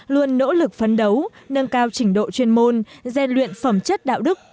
luôn nỗ lực phấn đấu nâng cao trình độ chuyên môn gian luyện phẩm chất đạo đức